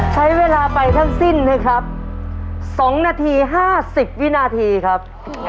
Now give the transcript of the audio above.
ใช้เวลาไปทั้งสิ้นนะครับ๒นาที๕๐วินาทีครับ